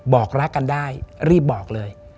บอกรักกันได้รีบบอกเลย